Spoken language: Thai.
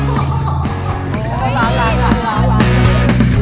เฮ้ยมีปริจามมาจาก